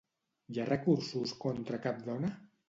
Hi ha recursos contra cap dona?